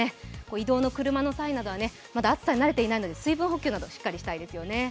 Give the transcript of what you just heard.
移動の車の際には、まだ暑さに慣れていないので水分補給などしっかりしたいですよね。